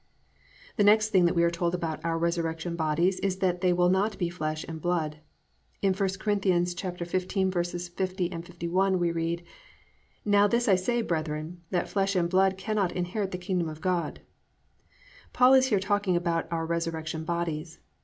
The next thing that we are told about our resurrection bodies is that they will not be flesh and blood. In I Cor. 15:50, 51 we read, +"Now this I say, brethren, that flesh and blood cannot inherit the kingdom of God."+ Paul is here talking about our resurrection bodies.